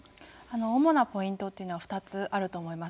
主なポイントというのは２つあると思います。